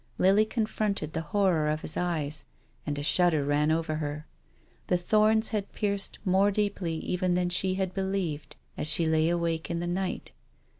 Lily confronted the horror of his eyes, and a shudder ran over her. The thorns had pierced more deeply even than she had be lieved as she lay awake in the night.